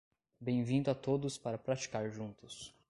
Bem-vindo a todos para praticar juntos